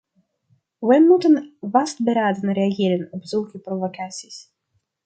We moeten vastberaden reageren op zulke provocaties.